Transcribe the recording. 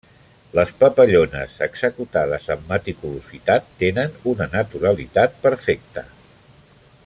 Les papallones, executades amb meticulositat, tenen una naturalitat perfecta.